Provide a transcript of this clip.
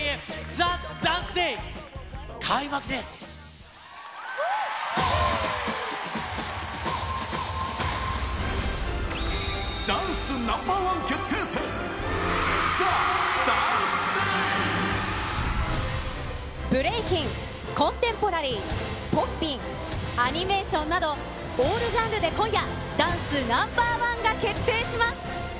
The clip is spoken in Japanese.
ＴＨＥＤＡＮＣＥＤＡＹ、ダンスＮｏ．１決定戦、ブレイキン、コンテンポラリー、ポッピン、アニメーションなど、オールジャンルで今夜、ダンスＮｏ．１が決定します。